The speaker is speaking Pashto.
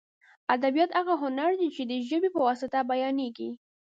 ادبیات هغه هنر دی چې د ژبې په واسطه بیانېږي.